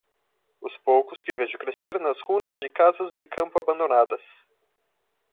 Os poucos que vejo crescer nas runas de casas de campo abandonadas.